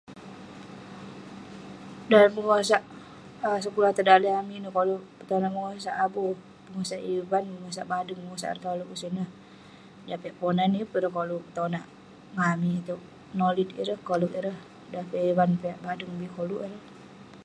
Dan bengosak um sekulah tong daleh amik ineh koluk petonak bengosak. Abu bengosak ivan, bengosak badeng, bengosak ereh tolouk kek sineh. Jah piak Ponan, yeng pun ireh koluk petonak ngan amik itouk. Nolit ireh, koleg ireh. Dan piak ivan, piak badeng bik koluk ireh.